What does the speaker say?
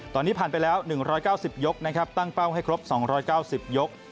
ตอนนี้ผ่านไปแล้ว๑๙๐ยกนะครับตั้งเป้าให้ครบ๒๙๐ยก